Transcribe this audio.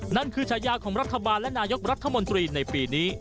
นั่นคือฉายาของรัฐบาลและนายกรัฐมนตรีในปีนี้